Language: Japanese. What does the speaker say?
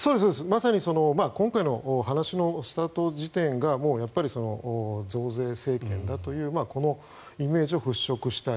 まさに今回の話のスタート時点がもうやっぱり、増税政権だというこのイメージを払しょくしたい。